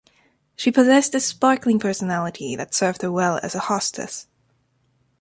She possessed a sparkling personality that served her well as a hostess.